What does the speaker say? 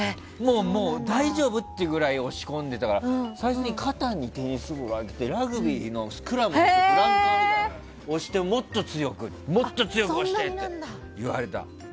もう大丈夫？っていうくらい押し込んでたから最終的に肩で押し込んでラグビーのスクラムみたいに押してもっと強く、もっと強く押して！って言われた。